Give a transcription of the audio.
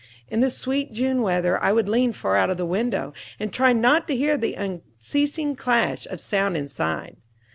In the sweet June weather I would lean far out of the window, and try not to hear the unceasing clash of sound inside.